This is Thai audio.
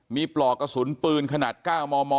มีปลอกกระสุนปืนขนาด๙มม